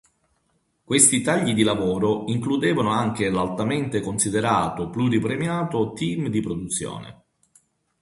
Questi tagli di lavoro includevano anche l'altamente considerato, pluri-premiato team di produzione.